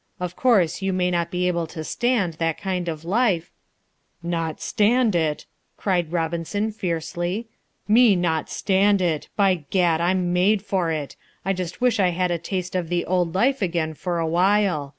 Of course, you may not be able to stand that kind of life " "Not stand it!" cried Robinson fiercely; "me not stand it! By gad! I'm made for it. I just wish I had a taste of the old life again for a while.